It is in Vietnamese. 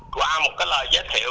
qua một cái lời giới thiệu